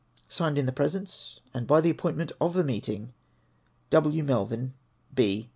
Signed in the presence and by the appointment of the meeting, W. Melville, B.